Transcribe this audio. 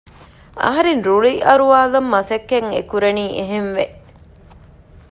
އަހަރެން ރުޅި އަރުވާލަން މަސައްކަތް އެކުރަނީ އެހެންވެ